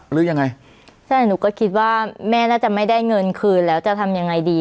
หรือยังไงใช่หนูก็คิดว่าแม่น่าจะไม่ได้เงินคืนแล้วจะทำยังไงดี